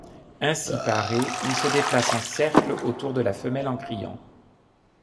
Ainsi paré, il se déplace en cercles autour de la femelle en criant.